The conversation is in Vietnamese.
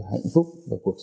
phải học được